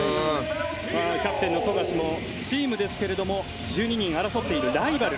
キャプテンの富樫もチームですけれども１２人争っているライバル。